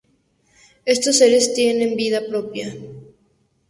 Estos seres tienen vida propia.